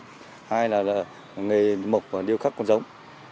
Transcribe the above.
hai là nghề mộc và điêu khắc con giống